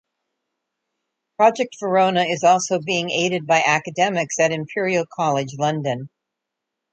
Project Verona is also being aided by academics at Imperial College London.